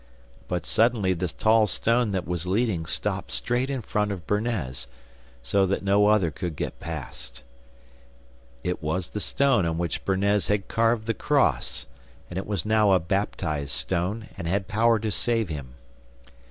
But suddenly the tall stone that was leading stopped straight in front of Bernez, so that no other could get past. It was the stone on which Bernez had carved the cross, and it was now a baptized stone, and had power to save him.